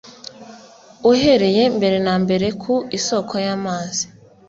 uhereye mbere na mbere ku isoko y’amazi